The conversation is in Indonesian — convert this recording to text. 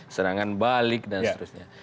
serangan balik dan seterusnya